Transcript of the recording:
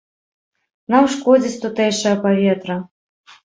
Нам шкодзіць тутэйшае паветра.